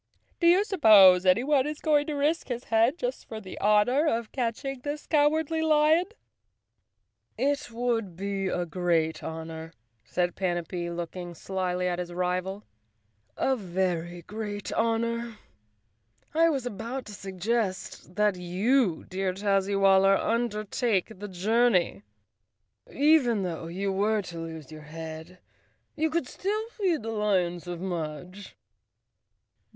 "Do you suppose anyone is going to risk his head just for the honor of catching this Cowardly Lion?" 'ifft would be a great honor," said Panapee, looking slyly at his rival, "a very great honor. I was about to suggest that you, dear Tazzywaller, undertake the journey. Even though you were to lose your head, you could still feed the lions of Mudge."